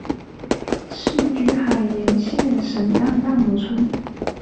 世居海盐县沈荡半逻村。